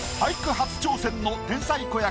初挑戦の天才子役